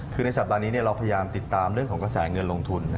คือในสัปดาห์นี้เราพยายามติดตามเรื่องของกระแสเงินลงทุน